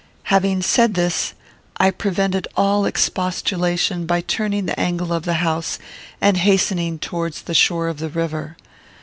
Having said this, I prevented all expostulation, by turning the angle of the house, and hastening towards the shore of the river.